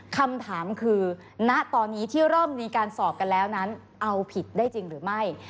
คำถามคือณตอนนี้ที่เริ่มมีการสอบกันแล้วนั้นเอาผิดได้จริงหรือไม่